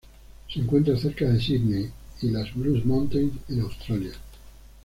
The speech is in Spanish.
Se encuentra cerca de Sídney y las Blue Mountains en Australia.